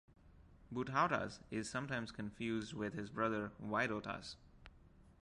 Butautas is sometimes confused with his brother Vaidotas.